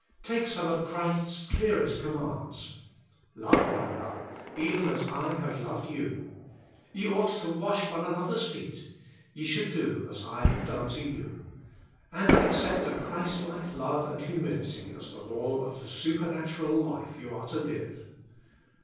Take some of Christ's clearest commands :— Love one .another even as I have loved you; ye ought to wash one another's feet; ye should do as I have done to you: and accept a Christlike love and humility as the law of the supernatural life you are to live.